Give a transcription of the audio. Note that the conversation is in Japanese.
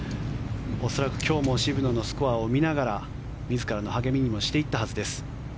恐らく今日も渋野のスコアを見ながら自らの励みにもしていったはずです。